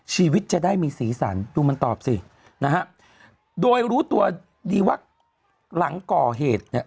ชีวิตจะได้มีสีสันดูมันตอบสินะฮะโดยรู้ตัวดีว่าหลังก่อเหตุเนี่ย